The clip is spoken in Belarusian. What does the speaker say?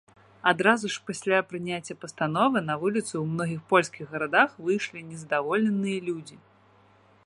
Адразу ж пасля прыняцця пастановы, на вуліцы ў многіх польскіх гарадах выйшлі незадаволеныя людзі.